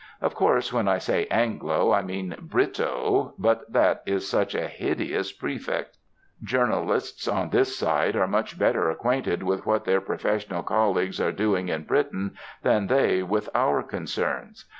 Of course when I say Anglo , I mean Brito , but that is such a hideous prefix. Journalists on this side are much better acquainted with what their professional colleagues are doing in Britain, than they with our concerns.